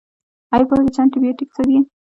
ایا پوهیږئ چې انټي بیوټیک څه دي؟